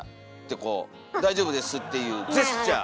「大丈夫です」っていうジェスチャー。